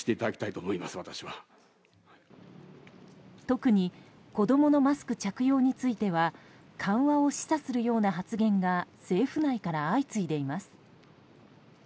特に子供のマスク着用については緩和を示唆するような発言が政府内から相次いでいます。